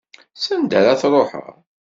S anda ara truḥeḍ?